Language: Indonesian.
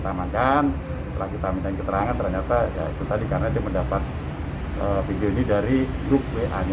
ibu ingat air usok